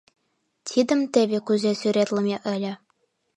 Тидым теве кузе сӱретлыме ыле: